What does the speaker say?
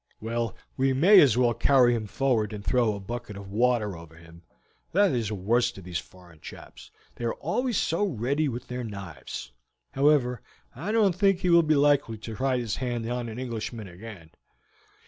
Well, we may as well carry him forward and throw a bucket of water over him. That is the worst of these foreign chaps; they are always so ready with their knives. However, I don't think he will be likely to try his hand on an Englishman again."